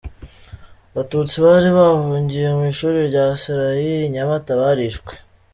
Abatutsi bari bahungiye mu ishuri rya Serayi i Nyamata barishwe.